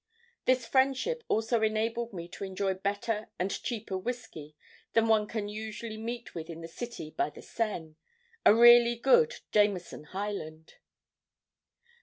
This friendship also enabled me to enjoy better and cheaper whisky than one can usually meet with in the city by the Seine, a real good 'Jameson Highland.'